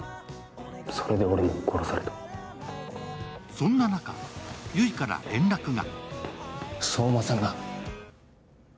そんな中、悠依から連絡が。